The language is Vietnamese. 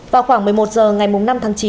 vào khoảng một mươi một h ngày năm tháng chín